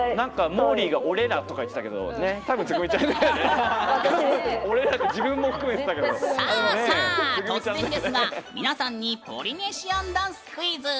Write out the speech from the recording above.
もーりーが俺らとか言ってたけど突然ですが皆さんにポリネシアンダンスクイズ。